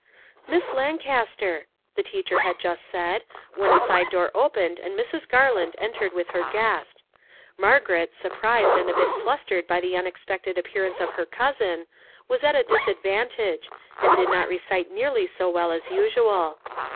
" Miss Lancaster," the teacher had just said, when a side door opened and Mrs. Garland entered with her guest. Margaret, surprised and a bit fluttered by the unexpected appear ance of her cousin, was at a disadvantage, and did not recite nearly so well as usual.